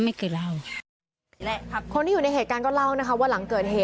ไม่เคยเล่าคนที่อยู่ในเหตุการณ์ก็เล่านะคะว่าหลังเกิด